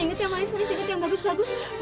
inget yang manis inget yang bagus bagus